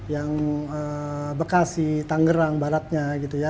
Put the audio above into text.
yang bekasi tangerang baratnya gitu ya